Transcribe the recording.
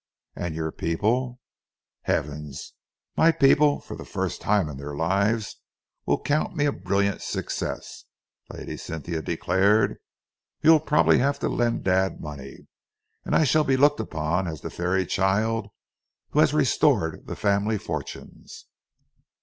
"And your people " "Heavens! My people, for the first time in their lives, will count me a brilliant success," Lady Cynthia declared. "You'll probably have to lend dad money, and I shall be looked upon as the fairy child who has restored the family fortunes."